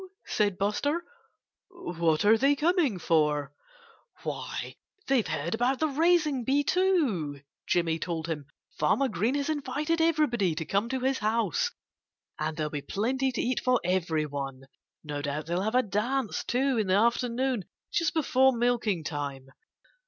said Buster. "What are they coming for?" "Why, they've heard about the raising bee, too," Jimmy told him. "Farmer Green has invited everybody to come to his house. And there'll be plenty to eat for everyone. No doubt they'll have a dance, too, in the afternoon just before milking time.